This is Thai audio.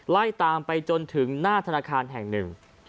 ไล่ตามไปจนถึงหน้าธนาคารแห่งหนึ่ง